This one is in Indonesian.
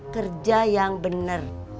kerja yang benar